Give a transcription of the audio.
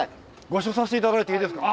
ご一緒させて頂いていいですか？